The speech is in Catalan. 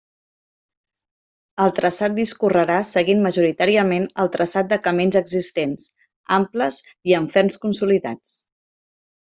El traçat discorrerà seguint majoritàriament el traçat de camins existents, amples i amb ferms consolidats.